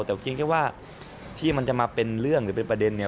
แต่ว่าที่มันจะมาเป็นเรื่องเป็นประเด็นเนี่ย